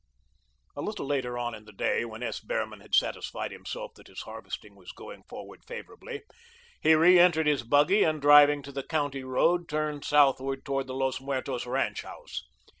A little later on in the day, when S. Behrman had satisfied himself that his harvesting was going forward favourably, he reentered his buggy and driving to the County Road turned southward towards the Los Muertos ranch house.